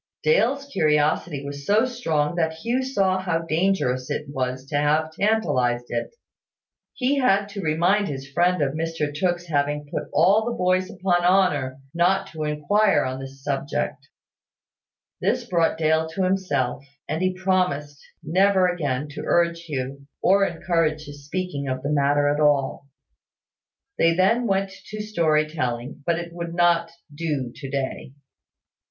Dale's curiosity was so strong that Hugh saw how dangerous it was to have tantalised it. He had to remind his friend of Mr Tooke's having put all the boys upon honour not to inquire on this subject. This brought Dale to himself; and he promised never again to urge Hugh, or encourage his speaking of the matter at all. They then went to story telling; but it would not do to day.